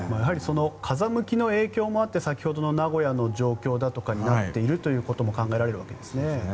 風向きの影響もあって先ほどの名古屋の状況だとかになっていることも考えられるわけですね。